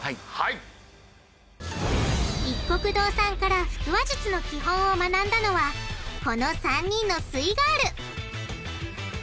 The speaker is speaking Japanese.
いっこく堂さんから腹話術の基本を学んだのはこの３人のすイガール！